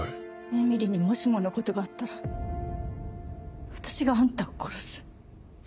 えみりにもしものことがあったら私があんたを殺す。